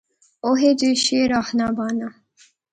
اوہے جے شعر آخنا بانا